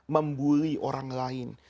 membuli orang lain